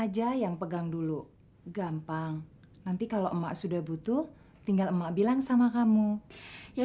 aja yang pegang dulu gampang nanti kalau emak sudah butuh tinggal emak bilang sama kamu ya